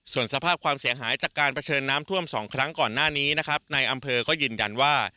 ส่วนสภาพความเสียหายจากการเผชิญน้ำท่วม๒ครั้งก่อนหน้านี้นะครับในอำเภอก็ยืนยันว่า